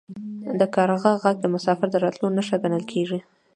د کارغه غږ د مسافر د راتلو نښه ګڼل کیږي.